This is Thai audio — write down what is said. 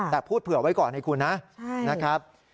แต่พูดเผื่อไว้ก่อนให้คุณนะนะครับ